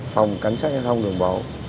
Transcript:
phòng cảnh sát giao thông đường bộ